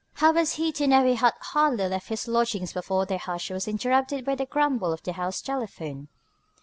How was he to know he had hardly left his lodgings before their hush was interrupted by the grumble of the house telephone?